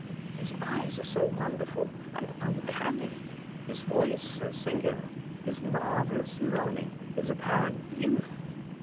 His eyes are so wonderful and uncanny, his voice so singular, — his mar vellous learning, — his apparent youth.